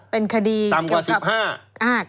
เป็นคดีเกี่ยวกับต่ำกว่า๑๕